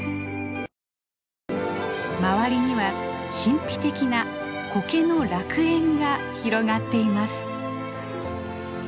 周りには神秘的なコケの楽園が広がっています。